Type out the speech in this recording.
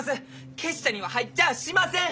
結社には入っちゃあしません！